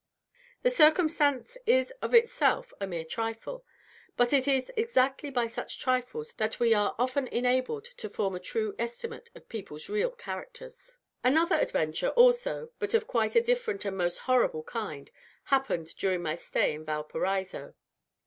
The circumstance is of itself a mere trifle, but it is exactly by such trifles that we are often enabled to form a true estimate of people's real characters. Another adventure, also, but of quite a different and most horrible kind, happened during my stay in Valparaiso.